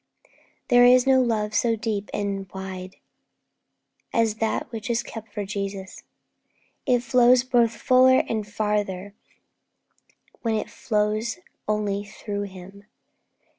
There is no love so deep and wide as that which is kept for Jesus. It flows both fuller and farther when it flows only through Him.